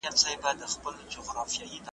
زه به راځم زه به تنها راځمه .